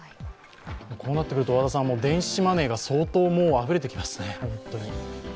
こうなってくると、電子マネーが相当あふれてきますね。